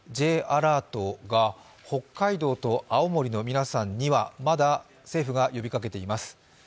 Ｊアラートが北海道と青森の皆さんにはまだ政府が呼びかけています。